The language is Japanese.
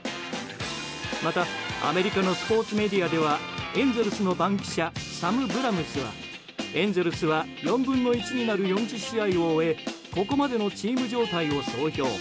また、アメリカのスポーツメディアではエンゼルスの番記者サム・ブラム氏はエンゼルスは４分の１になる４０試合を終えここまでのチーム状態を総評。